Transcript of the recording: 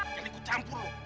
jangan ikut campur lo